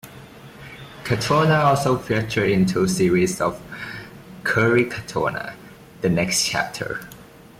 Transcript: Katona also featured in two series of "Kerry Katona: The Next Chapter".